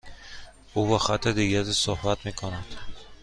او با خط دیگری صحبت میکند.